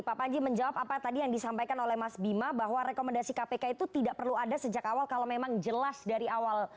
pak panji menjawab apa tadi yang disampaikan oleh mas bima bahwa rekomendasi kpk itu tidak perlu ada sejak awal kalau memang jelas dari awal